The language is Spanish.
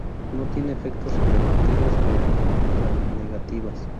No tiene efecto sobre bacterias gram-negativas.